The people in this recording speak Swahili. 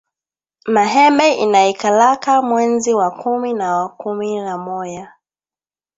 Mahembe inaikalaka mwenzi wa kumi na wa kumi na moya